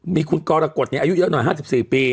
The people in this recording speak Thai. มีคุณกรกฎอายุ๕๔ปี